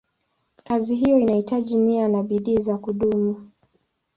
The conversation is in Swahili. Kazi hiyo inahitaji nia na bidii za kudumu.